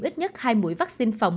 ít nhất hai mũi vật